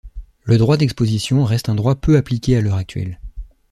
Le droit d'exposition reste un droit peu appliqué à l'heure actuelle.